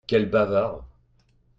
Quel bavard !